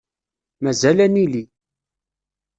Mazal ad nili.